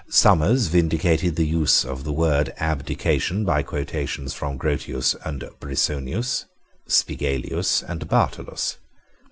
Somers vindicated the use of the word abdication by quotations from Grotius and Brissonius, Spigelius and Bartolus.